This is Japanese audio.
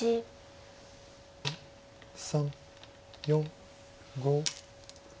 ３４５。